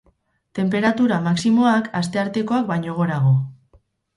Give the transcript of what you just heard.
Tenperatura maximoak, asteartekoak baino gorago.